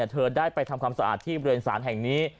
เธอได้ไปทำความสะอาดที่บริเวณศาลแห่งนี้